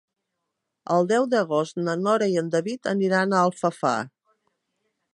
El deu d'agost na Nora i en David aniran a Alfafar.